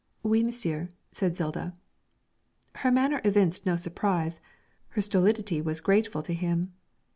'Oui, monsieur,' said Zilda. Her manner evinced no surprise; her stolidity was grateful to him.